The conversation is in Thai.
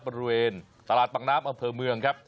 บริเวณตลาดปังน้ำอำเภอเมืองครับ